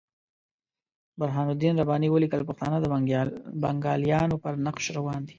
برهان الدین رباني ولیکل پښتانه د بنګالیانو پر نقش روان دي.